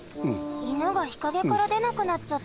いぬがひかげからでなくなっちゃったのか。